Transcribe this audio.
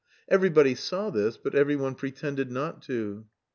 Everybody saw this, but every one pretended not to.